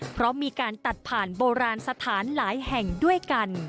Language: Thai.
เพราะมีการตัดผ่านโบราณสถานหลายแห่งด้วยกัน